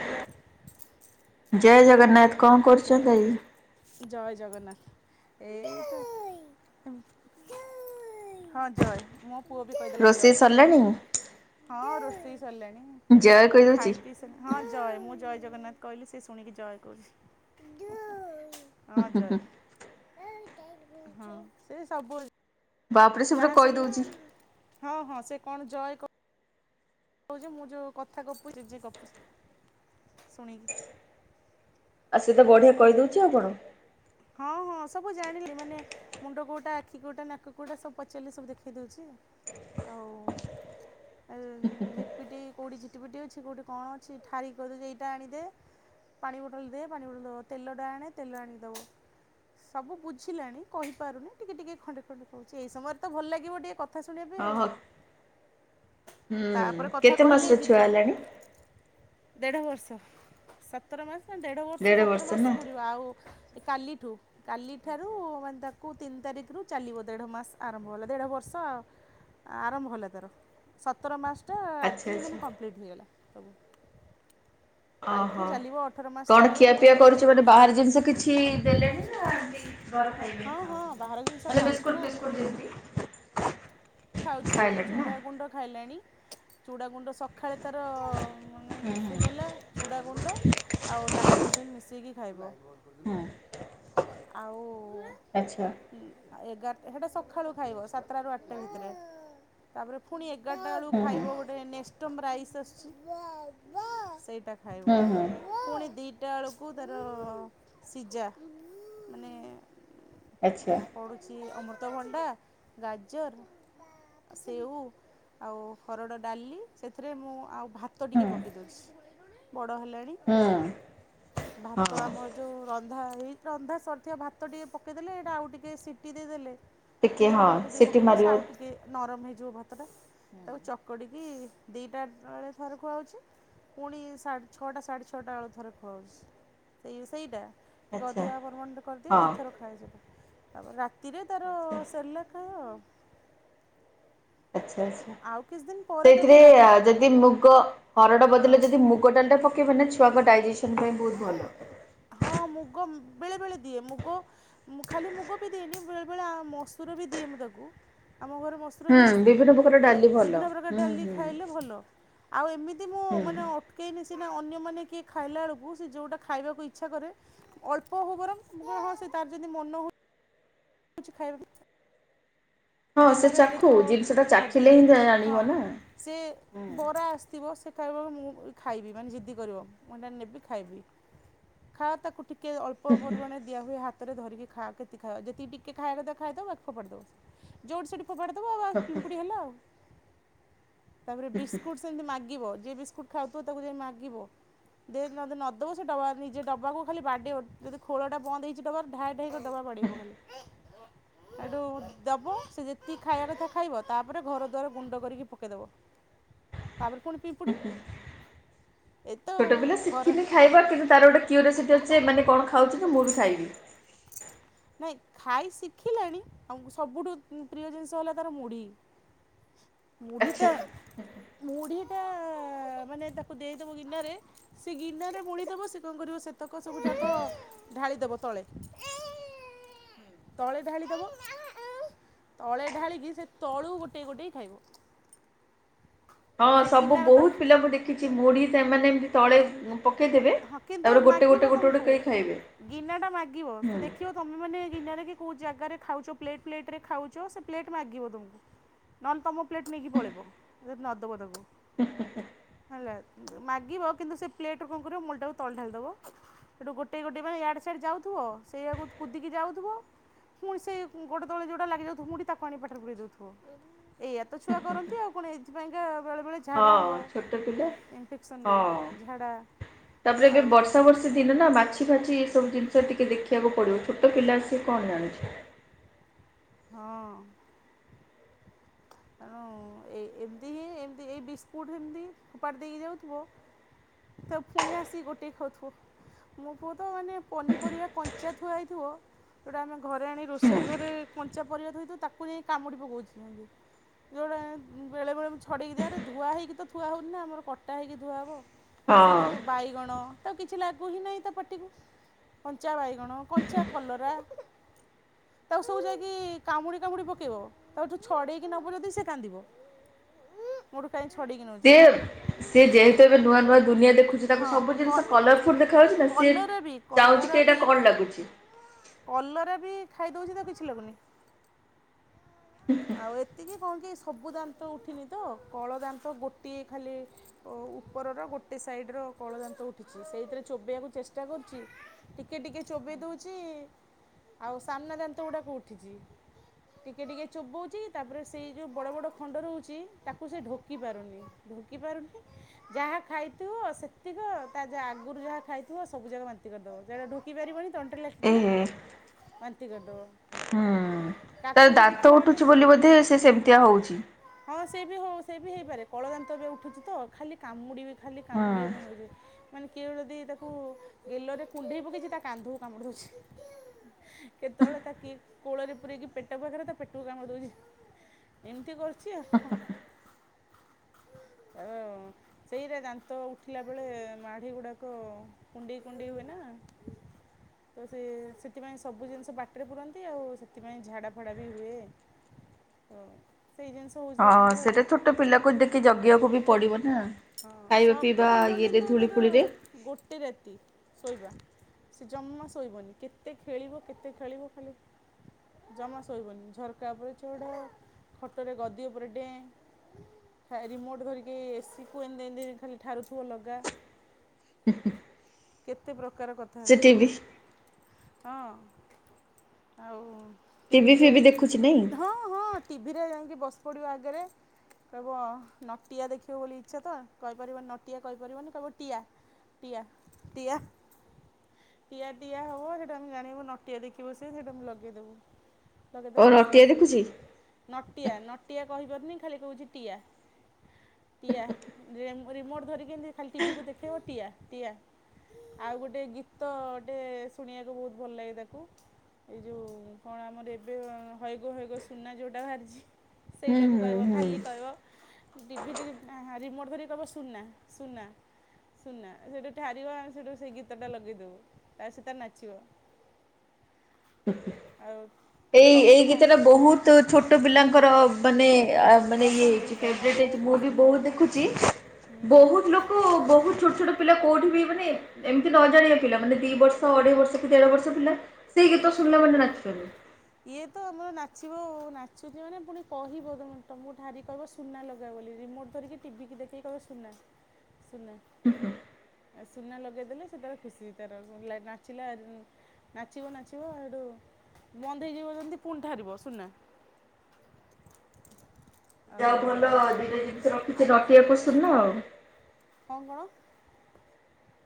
Hello. ଜୟ ଜଗନ୍ନାଥ କଣ ଜ କରୁଚନ୍ତି? ଜୟ ଜଗନ୍ନାଥ ଏଇ ହଁ ଜୟ ମୋ ପୁଅ ବି କହିଦେଲା ରୋଷେଇ ଜୟ। ସରିଲାଣି? ହଁ ରୋଷେଇ ସରିଲାଣି ଜୟ ସବୁ କହିଦଉଛି ଖାଇ ପିଇ ହଁ ଜୟ ମୁଁ ଜୟ ଜଗନ୍ନାଥ କହିଲି ସେ ଶୁଣିକି ଜୟ କହୁଚି। ହଁ ଜୟ ହଁ ସେ ସବୁ ବାପରେ ସେ ପୁରା ଯାହା ଶୁଣିଅ କହିଦଉଛି। ହଁ ହଁ ସେ କଣ ଜୟ କ କହୁଚି ମୁଁ ଯଉଁ କଥା ଗପୁଚି ଯେ ଗପୁଚି ଶୁଣିକି। ଆଉ ସିଏ ତ ବଢ଼ିଆ କହି ଦଉଚି ଆଉ କଣ? ହଁ ହଁ ସବୁ ଜାଣିଲେଇ ମାନେ ମୁଣ୍ଡ କଉଁଟା ଆଖି କଉଁଟା ନାକ କଉଁଟା ସବୁ ପଚାରିଲି ସବୁ ଦେଖେଇ ଦଉଛି। ଆଉ ଆଉ ଝିଟ୍ ପିଟି କଉଁଠି ଝିଟି ପିଟି ଅଛି। କଉଁଠି କଣ ଅଛି? ଠାରିକି କହିଦଉଛି, ଏଇଟା ଆଣିଦେ। ପାଣି ବୋଟଲ ଦେ ପାଣି ବୋଟଲ ଦବ ତେଲ ଟା ଆଣେ ତେଲ ଆଣିକି ଦବ। ସବୁ ବୁଝିଲାଣି କହିପାରୁନି ଟିକେ ଟିକେ ଖଣ୍ଡେ ଖଣ୍ଡେ କହୁଛି। ଏଇ ସମୟରେ ତ ଭଲ ଲାଗିବ ଟିକେ କ କଥା ଶୁଣିବା ପାଇଁ ହଁ ଆଉ। ହଁ ହୁଁ ତାପରେ କଥା କେତେ କହିଲେ ମାସର ଯି ଛୁଆ ହେଲାଣି? ଦେଢ଼ ବର୍ଷ। ସତର ମାସ ନା ଦେଢ଼ ବର୍ଷ ଦେଢ ସତର ମାସ ନା? ପୁରିବା ଆଉ କାଲି ଠୁ କାଲିଠାରୁ ମାନେ ତାକୁ ତିନି ତାରିଖରୁ ଚାଲିବ ଦେଢ଼ ମାସ ଆରମ୍ଭ ହେଲା ଦେଢ଼ ବର୍ଷ ଆରମ୍ଭ ହେଲା ତାର ସତର ମାସ ଟା ଆଚ୍ଛା ଆଜି ଆଚ୍ଛା ମାନେ କମ୍ପଲିଟ୍ ହେଇଗଲା। କାଲଠୁ ଚାଲିବ ଅଠର ମାସ ଚାଲିବ ମାନେ ଦେ ଗୋଟେ ବାହାର ଜିନିଷ କିଛି ଦେଲେଣି ନା ଘର ହଁ ଖାଇବା। ହଁ ବାହାର ଜିନିଷ ମାନେ ଖାଉଛି ବିସ୍କୁଟ୍ ନା ଫିସ୍କୁଟ୍ ଦିଅନ୍ତି। ଖାଉଚି ଚୁଡ଼ା ଗୁଣ୍ଡ ଖାଇଲାଣି ଚୁଡା ଗୁଣ୍ଡ ସ ସଖାଳେ ତାର ମାନେ ହୁଁ ଟିଫିନ୍ ହୁଁ ହେଲା ଚୁଡ଼ା ଗୁଣ୍ଡ ଆଉ ଲାକ୍ଟୋଜିନ୍ ମିଶେଇକି ଖାଇବ। ହୁଁ ଆଉ ଆଚ୍ଛା ଏଗାରଟା ସେଟା ସଖାଳୁ ଖାଇବ ସାତଟାରୁ ଆଠଟା ଭିତରେ। ତାପରେ ପୁଣି ଏଗାରଟାଳକୁ ହୁଁ ହୁଁ ଖାଇବ ଗୋଟେ ନେଷ୍ଟୋମ୍ରାଇସ୍ ଆସୁଛି, ସେଇଟା। ହଁ ହଁ ଟାଳକୁ ତାର ସିଝା ମାନେ ଆଚ୍ଛା ପଡୁଛି ଅମୃତଭଣ୍ଡା ଗା ଜର୍ ସେଉ ଆଉ ହରଡ଼ ଡାଲି ସେଥିରେ ମୁଁ ଆଉ ଭାତ ଟିକେ ହୁଁ ପକାଇ ଦଉଛି। ବଡ଼ ହେଲାଣି ହୁଁ ଭାତ ହଁ। ଆମ ଯଉ ରନ୍ଧା ଏଇ ରନ୍ଧା ସରିଥିବା ଭାତ ଟିକେ ପକେଇଦେଲେ ଏଇଟା ଆଉ ଟିକେ ସିଟି ଦେଇଦେଲେ ଟିକିଏ ଲୁଣ ହଁ ହଳଦୀ ଟିକେ ସିଟି ପକାଇକି ସେ ମାରିବ। ଆଉ ଟିକେ ନରମ ହେଇଯିବ ଭାତଟା ତାକୁ ଚକଡ଼ିକି ଦିଇଟା ବେଳେ ଥରେ ଖୁଆ ହେଉଚି ପୁଣିଢେ ଛଅଟା ସାଢ଼େ ଛଅଟା ବେଳେ ଥରେ ଖୁଆହୋଉଚି। ସେଇ ସେଇଟା। ଟିକେ ଆଚ୍ଛା ଅଧିକା ପରିମାଣରେ କରିଦିଏ ହଁ ଦିଥର ଖାଏ ସେଟା ତାପରେ ରାତିରେ ତାର ଆଚ୍ଛା ସେରେଲାକ୍। ଖାଇବ। ଆଚ୍ଛା ଆଚ୍ଛା ଆଉ କିଛି ଦିନ ପରେ ତାକୁ ସେଇଥିରେ ରା ଯଦି ମୁଗ ହରଡ ବଦଲେ ହଁ। ଯଦି ମୁ ମୁଗଡାଲିଟା ପକେଇବନା ଛୁଆଙ୍କ ଡାଇଜେସନ୍ ପାଇଁ ବହୁତ ଭଲ। ହଁ ମୁଗ ବେଳେ ବେଳେ ଦିଏ ମୁଗ ଖାଲି ମୁଗ ବି ଦିଏନି ବେଳେ ବେଳେ ମସୁର ବି ଦିଏ ମୁଁ ତାକୁ ଆମ ଘରେ ମସୁ ମସୁର ବି ହୁଁ ଆସେ ବିଭିନ୍ନ ପ୍ରକାର ତ ଡାଲି ଭଲ ବିଭିନ୍ନ ପ୍ରକାର ହୁଁ ଡାଲି ହୁଁ ଖାଇଲେ ଭଲ। ଆଉ ଏମିତି ମୁଁ ହୁଁ। ମାନେ ଅଟକେଇନି ସିନା ଅନ୍ୟମାନେ କିଏ ଖାଇଲା ବେଳକୁ ଯୋଉଟା ଖାଇବାକୁ ଇଚ୍ଛା କରେ ଅଳ୍ପ ହଉ ବରଂ ମୁଁ କହିଲି ହଁ ତାର ଯଦି ମନ ହଉ [unintelligible] ହଁ ସେ ଦେହରେ [unintelligible] ଚାଖୁ ଜିନିଷଟା ଚାଖିଲେ ହିଁ ହଜମ ଜାଣିବ ହଁ। ନା ହୁଁ। ସେ ବରା ଆସିଥିବ ସେ ଖାଇବ ମୁଁ ଖାଇବି ମାନେ ଯିଦି କରିବ। ମୁଁ ଏଇଟା ନେବି ଖାଇବି ଖାଁ ତାକୁ ଟିକେ ଅଳ୍ପ ପରିମାଣ ଦିଆ ହୁଏ ହାତରେ ଧରିକି ଖାଆ କେତିକି ଖାଇବ ଯେତିକି ଟିକେ ଖାଇବା କଥା ଖାଇଦେବ ଫୋପାଡ଼ିଦେବ। ଯୋଉଠି ସେଠି ଫୋପାଡିଦବ ଆ ପିମ୍ପୁଡି ହେଲା ଆଉ ତାପରେ ବିସ୍କୁଟ ସେମିତି ମାଗିବ ଯି ବିସ୍କୁଟ ଖାଉଥିବ ତାକୁ ଯାଇ ମାଗିବ। ଦେ ନଯଦି ଦବୁ ସେ ଡବା ନିଜେ ଡବାକୁ ଖାଲି ବାଡ଼େଇବ ଯଦି ଖୋଳଟା ବନ୍ଦ ହେଇଚି ଡ଼ବାର ଢାଏ ଢାଏ ଡବା ବାଡ଼େଇବ ଖାଲି। ହେଇଠୁ ଦେବ ସେ ଯେତିକି ଖାଇବା କଥା ଖାଇବ ତାପରେ ଘର ଦ୍ୱାର ଗୁଣ୍ଡ କରିକି ପକାଇଦେବ। ତାପରେ ପୁଣି ପିମ୍ପୁଡ଼ି। ଏତ ଛୋଟ ପିଲା ଘର ଶିଖିନି ଖାଇବା କିନ୍ତୁ ତାର ଗୋଟେ କ୍ୟୁରିସିଟି ଅଛି ଏମାନେ କଣ ଖାଉଛନ୍ତି ମୁଁ ଖାଇବି। ନାଇଁ ଖାଇ ଶିଖିଲାଣି ଆଉଁ ସବୁଠୁ ପ୍ରିୟ ଜିନିଷ ହେଲା ତାର ମୁଢ଼ି। [inaudible] ଆଚ୍ଛା ମୁଢ଼ିଟା। ମୁଢ଼ିଟା ମାନେ ତାକୁ ଦେଇଦବୁ ଗିନାରେ ସେ ଗିିନାରେ ମୁଢିଦବ ସେ କଣ କରିବ ସେତକ ସବୁ ଯାକ ଢାଳିଦବ ତଳେ। [inaudible] ତଳେ ଢାଳି ଦବ। ତଳେ ଢାଳିକି ସେ ତଳୁ ଗୋଟେଇ ଗୋଟେଇ ଖାଇବ। ହଁ ସେ ସବୁ ଗିନାର ତ ବହୁତ ପିଲା ମୁଁ ଦେଖିଛି ମୁଢି ସେମାନେ ଏମିତି ତଳେ ପକେଇଦେବେ। ହଁ କିନ୍ତୁ ତାପରେ ଗୋଟେ ଗୋଟେ ମାଗିବ ଗୋଟେ ଗୋଟେ ତମକୁ କରି ଖାଇବେ। ଗିନା ଟା ମାଗିବ ହୁଁ ସେ ଦେଖିବ ତମେ ମାନେ ଗିନାରେ କି କୋଉ ଜାଗାରେ ଖାଉଚ ପ୍ଲେଟ ପ୍ଲେଟ ରେ ଖାଉଚ ସେ ପ୍ଲେଟ ମାଗିବ ତମକୁ। ନହେଲେ ତମ ପ୍ଲେଟ୍ ନେଇକି ପଳେଇବ ଯଦି ନ ଦବ ତାକୁ। ହେଲା ମାଗିବ କିନ୍ତୁ ସେ ପ୍ଲେଟ କଣ କରିବ ମୁଢ଼ିଟାକୁ ତଳେ ଢାଳି ଦବ। ସେଠୁ ଗୋଟେଇ ଗୋଟେ ପାଇଁ ଇଆଡେ ସିଆଡେ ଯାଉଥିବ ସେଇଆକୁ କୁଦିକି ଯାଉଥିବ। ପୁଣି ସେ ଗୋଡ ତଳେ ଯେଉଁଟା ଲାଗିଯାଉଥିବ ମୁଢି ତାକୁ ଆଣି ପାଟିରେ ପୁରେଇ ଦଉଥିବ। ଏଇଆ ତ ଛୁଆ କରନ୍ତି ଆଉ କଣ ଏଇଥିପାଇଁକା ବେଳେ ବଳେ ଝାଡ଼ା ହଁ ହବ ଛୋଟ ପିଲା ଇନଫେକ୍ସନରେ ହଁ। ଝାଡ଼ା ତାପରେ ଏବେ ଆଉ ବର୍ଷା ବର୍ଷା ସେ ଦିନ ନା ମାଛି ଫାଛି ଏ ସବୁ ଜିନିଷ ଟିକେ ଦେଖିବାକୁ ପଡିବ ଛୋଟ ପିଲା ସିଏ କଣ ଜାଣୁଛି? ହଁ। ତେଣୁ ଏ ଏମିତି ହିଁ ଏମିତି ଏଇ ବିସ୍କୁଟ୍ ଏମିତି ଫୋପାଡି ଦେଇକି ଯାଉଥିବ? ତ ଫୁଣି ଆସିକି ଗୋଟେଇକି ଖାଉଥିବ। ମୋ ପୁଅ ତ ମାନେ ପନିପରିବା କଞ୍ଚା ଥୁଆ ହେଇଥିବ ଯୋଉଟା ଆମେ ଘରେ ଆଣି ହୁଁ ରୋଷେଇ ଘରେ କଞ୍ଚା ପରିବା ଥୋଇଥିବୁ ତାକୁ ଯାଇ କାମୁଡ଼ି ପକାଉଚି ଏମିତି। ଯୋଉଡା ବେଳେବେଳେ ମୁଁ ଛଡ଼େଇକି ଦିଆ ହେଇଥାଏ ଧୁଆ ହୋଇକି ତ ଥୁଆ ହୋଉନିନା ଆରେ କଟା ହୋଇକି ଧୁଆ ହେବ। ସେ ହଁ କିନ୍ତୁ ବାଇଗଣ ତାକୁ କିଛି ଲାଗୁ ହିଁ ନାହିଁ ତା ପାଟିକୁ କଞ୍ଚା ବାଇଗଣ, କଞ୍ଚା କଲରା ତାକୁ ସବୁ ଯାଇକି କାମୁଡ଼ି କାମୁଡ଼ି ପକେଇବ ତାକୁ ଯୋଉ ଛଡ଼େଇକି ନବୁ ଯଦି ସେ କାନ୍ଦିବ। ମୋଠୁ କାହିଁ ଛଡେଇକି ସେ ନଉଚ। ସେ ଯେହେତୁ ଏବେ ନୂଆ ନୂଆ ଦୁନିଆ ଦେଖୁ ତାକୁ ହଁ ସବୁ କ ଜିନିଷ କଲରଫୁଲ ଦେଖାଯାଉଛି ନା ସିଏ କଲରା ବି ଚାହୁଁଛି କଲରା କି ଏଇଟା ବି କଣ ଲାଗୁଚି। କଲରା ବି ଖାଇଦଉଛି ତାକୁ କିଛି ଲାଗୁନି। ଆଉ ଏତିକି କଣ କି ସବୁ ଦାନ୍ତ ଉଠିନି ତ କଳ ଦାନ୍ତ ଗୋଟିଏ ଖାଲି ଓ ଉପରର ଗୋଟେ ସାଇଡ ର କଳ ଦାନ୍ତ ଉଠିଛି ସେଇଥିରେ ଚୋବେଇବାକୁ ଚେଷ୍ଟା କରୁଛି। ଟିକେ ଟିକେ ଚୋବେଇ ଦଉଛି ଆଉ ସାମ୍ନା ଦାନ୍ତ ଗୁଡ଼ାକ ଉଠିଛି। ଟିକେ ଟିକେ ଚୋବଉଛି ତାପରେ ସେଇ ଯେଉଁ ବଡ଼ ବଡ଼ ଖଣ୍ଡ ରହୁଛି ତାକୁ ସେ ଢୋକି ପାରୁନି। ଢୋକି ପାରୁନି ଯାହା ଖାଇଥିବ ସେତିକ ତା ଆଗରୁ ଯାହା ଖାଇଥିବ ସବୁ ଯାକ ବାନ୍ତି କରିଦବ। ଯୋଉଟା ଢ଼ୋକି ପାରିବନି ତଣ୍ଟିରେ ଲାଖି ଏ ଯିବ ହେ। ବାନ୍ତି କରିଦବ। ହୁଁ ତାର ଦାନ୍ତ ଉଠୁଛି ବୋଲି ବୋଧେ ସେ ସେମିତିଆ ହଉଛି। ହଁ ସେ ବି ହଉ ସେ ବି ହେଇପାରେ କଳ ଦାନ୍ତ ଏବେ ଉଠୁଛି ତ ଖାଲି କାମୁଡି ବି ଖାଲି ହୁଁ କାମୁଡିବା ପାଇଁ ହଉଛି। ମାନେ କିଏ ଯଦି ତାକୁ ଗେଲରେ କୁଢେଇ ପକେଇଛି ତା କାନ୍ଧକୁ କାମୁଡି ଦଉଛି। କେତେବେଳେ ତାକି କୋଳରେ ପୁରେଇକି ପେଟ ପାଖରେ ତା ପେଟ ତା ପେଟକୁ କାମୁଡି ଦଉଛି ଏମିତି କରିୁଛି ଆଉ। ଓଅ। ସେଇରା ଦାନ୍ତ ଉଠିଲା ବେଳେ ମାଢ଼ି ଗୁଡ଼ାକ କୁଣ୍ଡେଇ କୁଣ୍ଡେଇ ହୁଏ ନା। ତ ସେ ସେଥିପାଇଁ ସବୁ ଜିନିଷ ପାଟିରେ ପୁରାନ୍ତି ଆଉ ସେଥିପାଇଁ ଝାଡା ଫାଡା ବି ହୁଏ। ଓ ସେଇ ଜିନିଷ ହେଉଛି ହଁ ତା ସାଙ୍ଗରେ ଆଉ ସେଟା ଛୋଟ ପିଲାକୁ ଦେଖି ଜଗିବାକୁ ବି ପଡିବ ନା। ହଁ ଖାଇବା ପିଇବା ସବୁଦିନ ଇଏରେ କିନ୍ତୁ ଧୂଳି ତୋର ଫୁଳିରେ ଗୋଟେ ରାତି ଶୋଇବା। ସେ ଜମା ଶୋଇବନି କେତେ ଖେଳିବ କେତେ ଖେଳିବ ଖାଲି ଜମା ଶୋଇବନି ଝରକା ଉପରେ ଚଢ଼ ଖଟରେ ଗଦି ଉପରେ ଡେଁ ରିମୋଟ ଧରିକି ଏସି କୁ ଏମିତି ଏମିତି ଖାଲି ଠାରୁଥିବ ଲଗା। [inaudible] କେତେ ପ୍ରକାର କଥା ସେଠି ସେଠୁ ବି ହଁ ଆଉ ଟିଭି ଟିଭିରେ ଫିଭି ଦେଖୁ ହଁ ହଁ ଟିଭିରେ ଯାଇକି ବସି ପଡିବ ଆଗରେ। କହିବ ନଟିଆ ଦେଖିବ ବୋଲି ଇଚ୍ଛା ତ କହିପାରିବନି ନଟିଆ କହିପାରିବନି କହିବ ଟିଆ। ଟିଆ ଟିଆ ଟିଆ ଟିଆ ହେବ ସେଇଟୁ ଆମେ ଜାଣିବୁ ନଟିଆ ଦେଖିବ ସେ ଆମେ ଲଗେଇ ଦେବୁ। ଲଗେଇଦେଲେ ଓ ବସିଲା ନଟିଆ ଦେଖୁଛି ସିଏ। ନଟିଆ ନଟିଆ କହିପାରୁନି ଖାଲି କହୁଛି ଟିଆ। ଟିଆ ରିମୋଟ ଧରିକି ଏମିତି ଖାଲି ଟିଭିିକୁ ଦେଖେଇବ ଟିଆ ଟିଆ ଆଉ ଗୋଟେ ଗୀତ ଟେ ଶୁଣିବାକୁ ବହୁତ ଭଲ ଲାଗେ ତାକୁ। ଏଇ ଯୋଉ କଣ ଆମର ଏବେ ହଇଗୋ ହଇଗୋ ସୁନା ଯେଉଁଟା ବାହାରିଛି ହୁଁ ସେଇଟାକୁ ହୁଁ କହିବ ହୁଁ ଖାଲି କହିବ ଟିଭି [unintelligible] ରିମୋଟ ଧରିକି କହିବ ସୁନା ସୁନା ସୁନା ସେଇଠୁ ଠାରିବ, ଆମେ ସେଇଠୁ ସେ ଗୀତଟା ଲଗେଇଦେବୁ ତାର ସେ ନାଚିବ। ଆଉ ଏଇ ସବୁ ଏଇ ଗୀତଟା ବହୁତ ଛୋଟ ପିଲାଙ୍କର ମାନେ ମାନେ ଇଏ ପସନ୍ଦ ଗୀତ ହଁ ଫ୍ରେବ୍ରୋଟେ ବହୁତ ମୁଁ ପସନ୍ଦ ବହୁତ ହଁ ଦେଖୁଛି। ହୁଁ ବହୁତ ଲୋକ ଠୁ ବହୁତ ଛୋଟ ଛୋଟ ପିଲା କୋଉଠି ବି ମାନେ ଏମିତି ନ ଜାଣିବା ପିଲା ମାନେ ଦି ବର୍ଷ ଅଢେଇ ବର୍ଷ କି ଦେଢ ବର୍ଷ ପିଲା ସେଇ ଗୀତ ଶୁଣିଲା ମାନେ ନାଚିପାରିବେ। ଇଏ ତ ଆମର ନାଚିବ ନାଚୁଛି ମାନେ ପୁଣି କହିବ। ତମକୁ ଠାରି କି କହିବ। ସୁନା ଲଗା ବୋଲି ରିମୋଟ ଧରିକି ଟିଭିିକି ଦେଖିକି କହିବ ସୁନା ସୁନା। ହୁଁ ହୁଁ। ସୁନା ଲଗେଇଦେଲେ ସେତାର ଖୁସି ତାର ନାଚିଲା। ନାଚିବ ନାଚିବ ଆଡ଼ୁ ବନ୍ଦ ହେଇଯିବ ଯେମିତି ପୁଣି ଠାରିବ ସୁନା ଆଉ ଯାାଉ ଭଲ ତାର ଦିନେ ଜିନିଷ ଆଉ ରଖିଛି ନଟିଆ କୋଚିନୀର କଣ କଣ?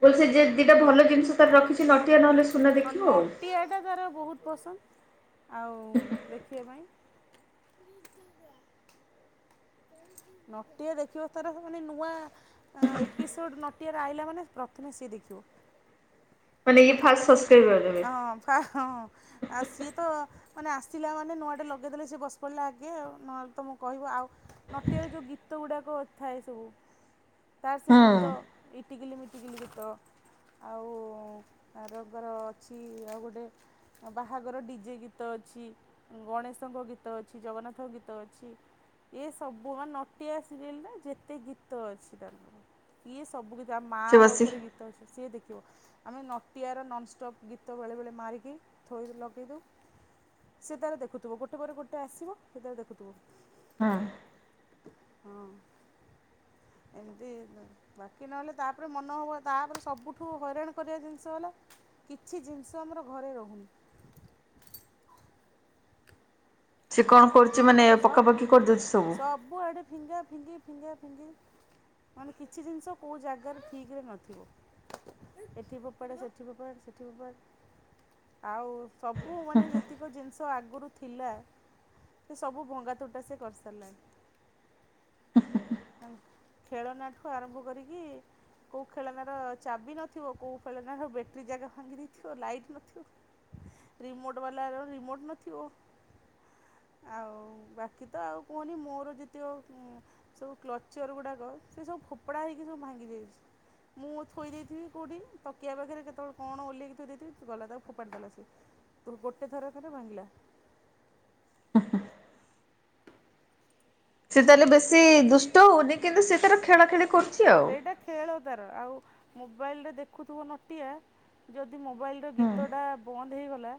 ବ ସେ ଦିଟା ଭଲ ଜିନିଷ ତାର ରଖିଛି ନଟିଆ ନହେଲେ ସୁନା ଦେଖିବ ଆଉ। ସେଠା ଦାର ବହୁତ ପସନ୍ଦ ଆଉ ଦେଖିବା ପାଇଁ। ନଟିଆ ଦେଖିବା ତାର ମାନେ ନୂଆ ଏପିସୋଡ଼୍ ନଟିଆରେ ଆଇଲାା ମାନେ ପ୍ରଥମେ ସିଏ ଦେଖିବ। ମାନେ ଏ ଫା ହଁ ହଁ ଆଉ ସିଏ ତ ମାନେ ଆସିଲା ମାନେ ନୂଆଟେ ଲଗେଇଦେଲେ ସେଏ ବସି ପଢିଲା ଆଗେ ନୂଆଲେ ତ ମୁଁ କହିବ ଆଉ। ନଟିଆର ଯୋଉ ଗୀତ ଗୁଡାକ ଥାଏ ସବୁ ତାର ସେ ଗୀତ ହୁଁ ଇଟିଗିଲ ମି ଟିଗିଲ ଗୀତ। ଆଉ ରୋଗର ଅଛି ଆଉ ଗୋଟେ ଆଉ ବାହାଘର ଡିଜେ ଗୀତ ଅଛି। ଗଣେଶଙ୍କ ଗୀତ ଅଛି ଜଗନ୍ନାଥଙ୍କ ଗୀତ ଅଛି। ଏ ସବୁ ବା ନଟିଆ ସିରିଏଲ ନା ଯେତେ ଗୀତ ଅଛି। ଇଏ ସବୁ ଗୀତ ଆମ ମା ସେ ବସି ଉପରେ ଗୀତ ଅଛି ସିଏ ଦେଖିବ। ଆମେ ନଟିଆର ନନ୍ଷ୍ଟପ୍ ଗୀତ ବେଳେବେଳେ ମାରିକି ଥୋଇ ଲଗାଇଦଉ। ସେ ତାରେ ଦେଖୁଥିବ ଗୋଟେ ପରେ ଗୋଟେ ଆସିବ ସେ ତାରେ ଦେଖୁଥିବ। ହଁ। ହଁ। ଏମିତି ବାକି ନହେଲେ ତାପରେ ମନ ହବ ତାପରେ ସବୁଠୁ ହଇରାଣ କରିବା ଜିନିଷ ହେଲା କିଛି ଜିନିଷ ଆମର ଘରେ ରହୁନି। ସେ କଣ କରୁଛି ମାନେ ସ ପଖାପାଖି କରିଦେଉଛି ସବୁ। ସବୁଆଡ଼େ ଫିଙ୍ଗା ଫିଙ୍ଗି ଫିଙ୍ଗା ଫିଙ୍ଗି। ମାନେ କିଛି ଜିନିଷ କେଉଁ ଜାଗାରେ ଠିକରେ ନଥିବ। ଏଠି ପପଡ ସେଠି ପପ ସେଠି ପପାରେ ଆଉ ସବୁ ମାନେ ଯେତିକ ଜିନିଷ ଆଗରୁ ଥିଲା ସେ ସବୁ ଭଙ୍ଗା ତୁଟା ସେ କରିସାରିଲାଣି। ଖେଳନାଟକୁ ଆରମ୍ଭ କରିକି କୋଉ ଖେଳନାର ଚାବି ନଥିବ କୋଉ ଖେଳନାର ବ୍ୟାଟେରୀ ଜାଗା ଭାଙ୍ଗି ଦେଇଥିବ ଲାଇଟ୍ ନଥିବ। ରିମୋଟ ବାଲା ରିମୋଟ ନ ଓ ଆଉ ବାକି ତ ଆଉ କୁହନି ମୋର ଯେତିକି ସବୁ କ୍ଲଚର ଗୁଡ଼ାକ ସେ ସବୁ ଫୋପଡ଼ା ହେଇକି ସବୁ ଭାଙ୍ଗି ଯାଇଛି। ମୁଁ ଥୋଇ ଦେଇଥିବି କେଉଁଠି ତକିିଆ ପାଖରେ କେତେବେଳେ କଣ ଓହ୍ଲେଇକି ଥୋଇ ଦେଇଥିବି ଗଲା ତାକୁ ଫୋପାଡ଼ି ଦେଲା ସିଏ। ଗୋ ଗୋଟେ ଥରକାରେ ଭାଙ୍ଗିଲା। ସେ ତାହେଲେ ବେଶୀ ଦୁଷ୍ଟ ହଉନି କିନ୍ତୁ ସେ ତାର ଖେଳ ଖେଳି କରୁ ସେଇଟା ଖେଳ ତାର ଆଉ ମୋବାଇଲରେ ଦେଖୁଥିବ ନଟିଆ ଯଦି ମୋବାଇଲର ଗୀତଟା ବନ୍ଦ ହେଇଗଲା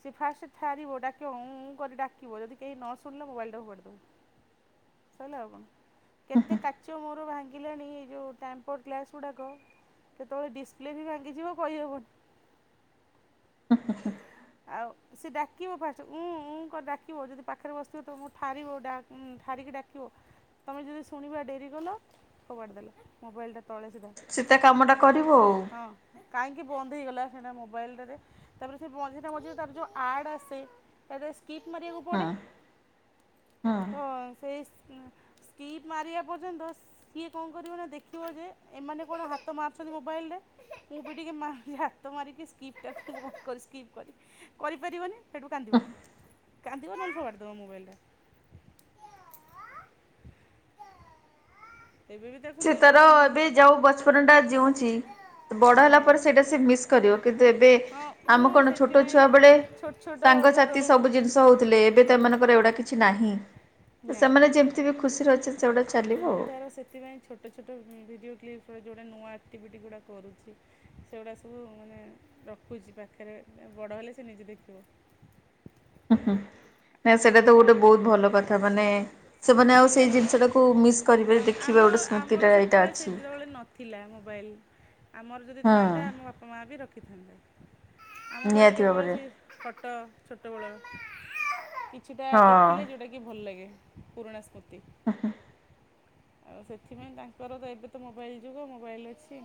ସିଏ ଫାଷ୍ଟ ଠାରିବ ଡାକିବ ଉଁଉଁ କରି ଡାକିବ ଯଦି କେହି ନ ଶୁଣିଲ ମୋବାଇଲ୍ ଟା ଫୋପାଡ଼ିଦବ। ସଇଲା ଆଉ କଣ କେତେ କାଚ ମୋର ଭାଙ୍ଗି ଙ୍ଗିଲାଣି ଏ ଯୋଉଁ ଟ୍ୟାମ୍ପର୍ ଗ୍ଲାସ୍ ଗୁଡ଼ାକ କେତେବେଳେ ଡିସପ୍ଲେ ବି ଭାଙ୍ଗିଯିବ କହିହେବନି। ହ ହ ଆଉ ସେ ଡାକିବ ଫାଷ୍ଟ ଉଁଁ ଉଁ କରି ଡାକିବ ଯଦି ପାଖରେ ବସିଥିବ ତମକୁ ଠାରିବ ଠାରି ଠାରିକି ଡାକିବ। ତମେ ଯଦି ଶୁଣିବା ଡେରି କଲ ଫିପାଡ଼ି ଦେଲା ମୋବାଇଲଟା। ତଳେ ସିଧା ସେତା କାମ ଟା କରିବ ଆଉ। ହଁ କାହିଁକି ବନ୍ଦ ହେଇଗଲା ସେଟା ମୋବାଇଲଟା ରେ ତାପରେ ସେ ମ ଯେ ମଝିରେ ମଝିରେ ତାର ଯୋଉ ଆଡ଼ ଆସେ ସେଥେ ସେ ସ୍କିଟ୍ ମାରିବାକୁ ପଡେ ହୁଁ ହୁଁ। ହଁ ସେଇ ସ ଅଁ ସ୍କିପ ମାରିଆ ପର୍ଯ୍ୟନ୍ତ କିଏ କଣ କରିବ ନା ଦେଖିବ ଯେ ଏମାନେ କୁଆଡେ ହାତ ମାରୁଛନ୍ତି ମୋବାଇଲରେ। ମୁଁ ବି ଟିକେ ମାରି ହାତ ମାରିକି ସ୍କିପ୍ଟା କରି ସ୍କିପ୍ କରି କରିପାରିବନି ସେଠୁ କାନ୍ଦିବ କାନ୍ଦିବ ନହେଲେ ଫୋପାଡ଼ିଦେବ ମୋବାଇଲଟା। ଏବେ ବି ତାକୁ ସେ ନିଦ ତାର ହେଉନି ଏବେ ଯୋଉ ବଚପନ ଟା ଜିଉଁଛି ବଡ ହେଲା ହଁ ପରେ ସେଇଟା ସେ ମିସ୍ କରିବ କିନ୍ତୁ ଏବେ ହଁ ଆମ ମୁଁ କଣ ଛୋଟ ସେଥିପାଇଁ ଛୁଆ ବେଳେ ଛୋଟ ଛୋଟ ତାର ସାଙ୍ଗସାଥି ସବୁ ଜିନିଷ ହଉଥିଲେ ଏବେ ତ ଏମାନଙ୍କର ଏଗୁଡା କି ଛି ନାହିଁ ତ ନା ସେମାନେ ଯେମିତି ବି ଖୁସିରେ ଅଛ ମୁଁ ତାର ସେଥିପାଇଁ ଛୋଟ ଛୋଟ ଭିଡ଼ିଓ କ୍ଲିପ୍ସ ଯୋଉଁଟା ନୂଆ ଆକ୍ଟିଭିଟି ଗୁଡ଼ା କରୁଛି ସେଗୁଡ଼ା ସବୁ ମାନେ ରଖୁଛି ପାଖରେ ବଡ଼ ହେଲେ ସେ ନିଜେ ଦେଖିବ। ହୁଁ ହୁଁ ନା ଆଉ ସେଇଟା ତ ବଡ଼ ଗୋଟେ ହେଲେ ବହୁତ ଭଲ କଥା ମାନେ ସେମାନେ ସ୍ମୃତି ଆଉ ତାର ସେଇ ଜିନିଷଟାକୁ ମିସ୍ କରିବେ ହଁ ଦେଖିବେ ଗୋଟେ ସ୍ମୃତିଟା ଏଇଟା ଅଛି। ଥିଲା ମୋବାଇଲ ଆମର ଯଦି ହୁଁ ଥାଆନ୍ତା ଆମ ବାପ ମା ବି ରଖିଥାନ୍ତେ, ଆମ ବେଳେ ନିହାତି କେବଳ ଭାବରେ ସେ ଫଟୋ ଛୋଟବେଳର କିଛିଟା ହଁ। ଦେଖିଲେ ଯୋଉଟା କି ଭଲ ଲାଗେ। ପୁରୁଣା ସ୍ମୃତି। ହ ହଁ ଆଉ ସେଥିପାଇଁ ତାଙ୍କର ତ ଏବେ ତ ମୋବାଇଲ ଯୁଗ ମୋବାଇଲ ଅଛି।